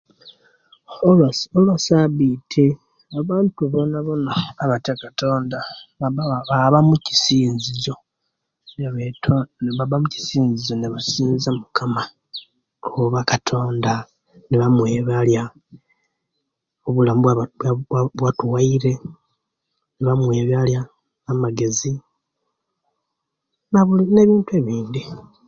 Okwesi lwesabiti abantu bonabona abatya okatonda baba baaba omukisinzizo nebeton nebaba omukisinzizo ne basinza omukama oba okatonda nebamwebalya obulamu batuwaire nabamwebalya amagezi nabuli nebintu ebindi.